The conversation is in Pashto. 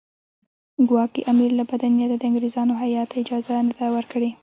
ګواکې امیر له بده نیته د انګریزانو هیات ته اجازه نه ده ورکړې.